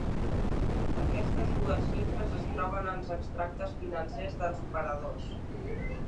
Aquestes dues xifres es troben als extractes financers dels operadors.